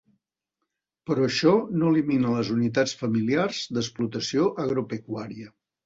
Però això no elimina les unitats familiars d'explotació agropecuària.